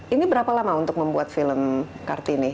ini berapa lama untuk membuat film kartini